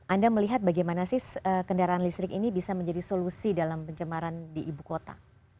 anda melihat bagaimana sih kendaraan listrik ini bisa menjadi solusi dalam pencemaran di ibu kota